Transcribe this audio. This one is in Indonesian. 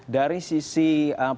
dari sisi pilihan